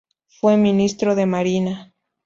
Fue Ministro de Marina.